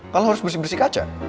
kalau harus bersih bersih kaca